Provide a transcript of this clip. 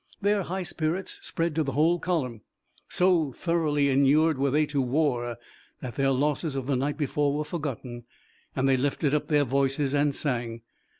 Their high spirits spread to the whole column. So thoroughly inured were they to war that their losses of the night before were forgotten, and they lifted up their voices and sang.